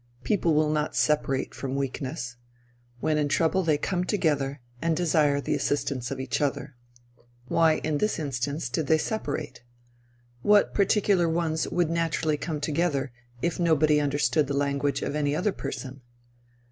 People will not separate, from weakness. When in trouble they come together and desire the assistance of each other. Why, in this instance, did they separate? What particular ones would naturally come together if nobody understood the language of any other person?